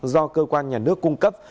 do cơ quan nhà nước cung cấp